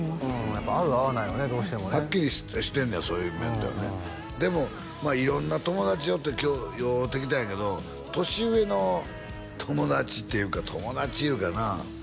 やっぱ合う合わないはねどうしてもねはっきりしてんねやそういう面ではねでもまあ色んな友達おって今日会うてきたんやけど年上の友達っていうか友達いうかな